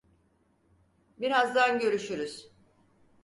Birazdan görüşürüz.